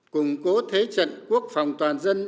củng cố thế trận quốc phòng toàn dân